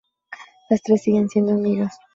Las tres siguen siendo amigas.